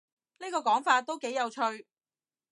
呢個講法都幾有趣